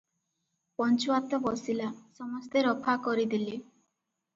ପଞ୍ଚୁଆତ ବସିଲା, ସମସ୍ତେ ରଫା କରି ଦେଲେ ।